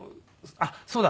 あっそうだ。